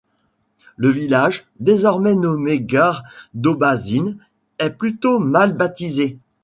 Le village, désormais nommé Gare d'Aubazine est plutôt mal baptisé.